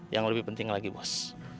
yang lebih penting lagi bos